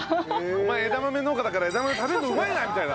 お前枝豆農家だから枝豆食べるのうまいなみたいな。